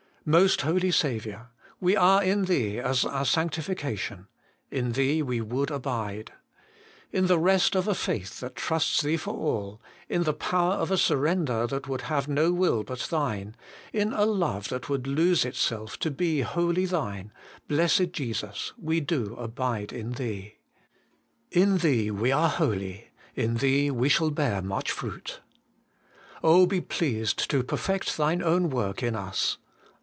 Most Holy Saviour ! we are in Thee as our sanctification : in Thee we would abide. In the rest of a faith that trusts Thee for all, in the power of a surrender that would have no will but Thine, in a love that would lose itself to be wholly Thine, Blessed Jesus, we do abide in Thee. In Thee we are holy : in Thee we shall bear much fruit. Oh, be pleased to perfect Thine own work in us